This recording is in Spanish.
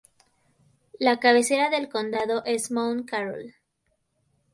La cabecera del condado es Mount Carroll.